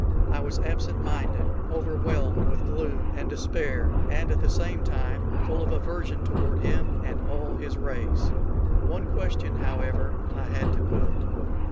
I was absent minded, overwhelmed with gloom and despair, and at the same time full of aversion toward him and all his race. One question, however, I had to put.